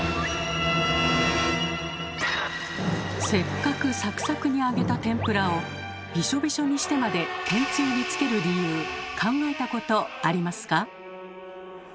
せっかくサクサクに揚げた天ぷらをびしょびしょにしてまで天つゆにつける理由考えたことありますか？